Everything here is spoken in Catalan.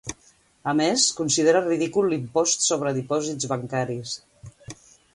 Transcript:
A més, considera ridícul l'impost sobre dipòsits bancaris.